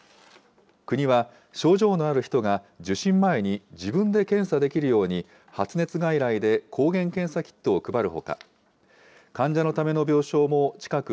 国は症状のある人が受診前に自分で検査できるように、発熱外来で抗原検査キットを配るほか、患者のための病床も、近く